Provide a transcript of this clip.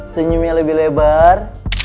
senyumnya lebih lebar